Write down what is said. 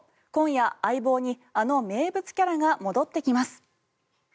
今夜、「相棒」にあの名物キャラが戻ってきます。